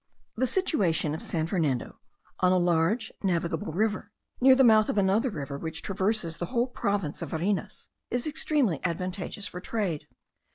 The situation of San Fernando, on a large navigable river, near the mouth of another river which traverses the whole province of Varinas, is extremely advantageous for trade.